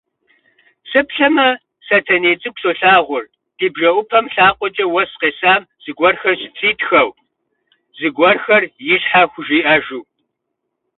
Сыплъэмэ, Сэтэней цӏыкӏу солагъур, ди бжэӏупэм лъакъуэкӏэ уэс къесам зыгуэрхэр щытритхэу, зыгуэрхэр ищхьэ хужиӏэжу.